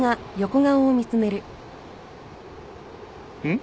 ん？